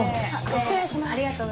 失礼します。